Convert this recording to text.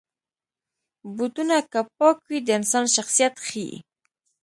بوټونه که پاک وي، د انسان شخصیت ښيي.